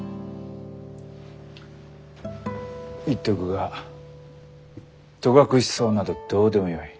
言っておくが戸隠草などどうでもよい。